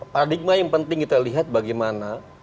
paradigma yang penting kita lihat bagaimana